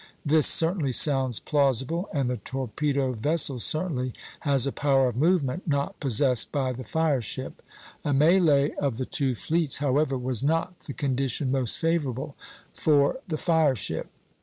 This certainly sounds plausible, and the torpedo vessel certainly has a power of movement not possessed by the fire ship. A mêlée of the two fleets, however, was not the condition most favorable for the fire ship.